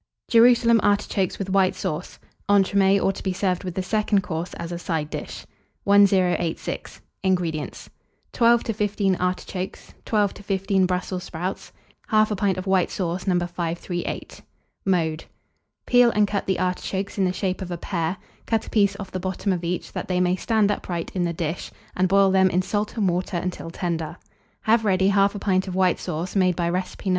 JERUSALEM ARTICHOKES WITH WHITE SAUCE. (Entremets, or to be served with the Second Course as a Side dish.) 1086. INGREDIENTS. 12 to 15 artichokes, 12 to 15 Brussels sprouts, 1/2 pint of white sauce, No. 538. Mode. Peel and cut the artichokes in the shape of a pear; cut a piece off the bottom of each, that they may stand upright in the dish, and boil them in salt and water until tender. Have ready 1/2 pint of white sauce, made by recipe No.